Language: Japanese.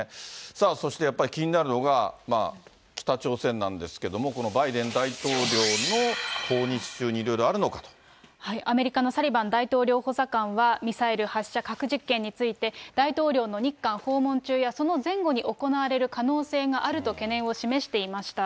さあそしてやっぱり気になるのが、北朝鮮なんですけれども、このバイデン大統領の訪日中にいろいろあるのアメリカのサリバン大統領補佐官は、ミサイル発射、核実験について、大統領の日韓訪問中やその前後に行われる可能性があると懸念を示していました。